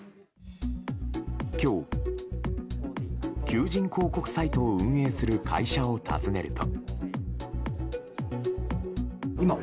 今日、求人広告サイトを運営する会社を訪ねると。